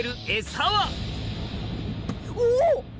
お！